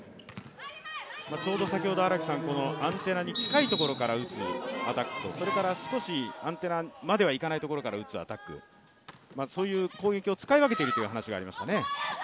ちょうど先ほど、アンテナから近いところから打つアタックとそれから少しアンテナまでは行かないところから打つアタック、そういう攻撃を使い分けていくという話がありましたね。